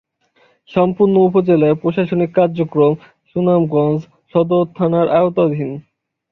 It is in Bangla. সম্পূর্ণ উপজেলার প্রশাসনিক কার্যক্রম সুনামগঞ্জ সদর থানার আওতাধীন।